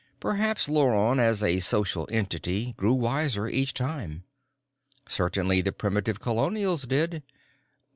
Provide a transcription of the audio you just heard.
Perhaps Luron, as a social entity, grew wiser each time. Certainly the primitive colonials did.